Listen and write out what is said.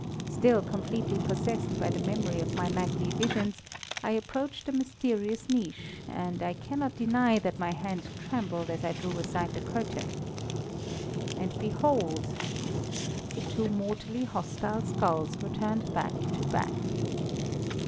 Still completely possessed by the memory of my nightly visions, I approached the mysterious niche, and I cannot deny that my hand trembled as I drew aside the curtain. And, behold ... the two mortally hostile skulls were turned back to back!